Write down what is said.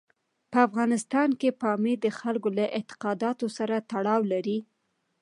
په افغانستان کې پامیر د خلکو له اعتقاداتو سره تړاو لري.